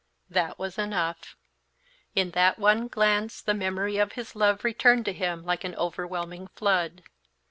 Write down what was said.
That was enough; in that one glance the memory of his love returned to him like an overwhelming flood.